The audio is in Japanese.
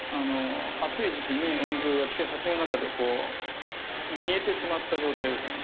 暑い時期にお水をやって鉢の中で煮えてしまった状態ですね。